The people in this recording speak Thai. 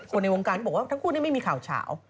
ในวงการก็บอกว่าทั้งคู่ไม่มีข่าวเฉา